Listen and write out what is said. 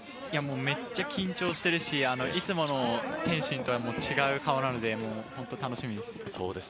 めっちゃ緊張しているしいつもの天心とは違う顔なので本当に楽しみです。